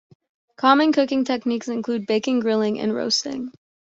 Common cooking techniques include baking, grilling and roasting.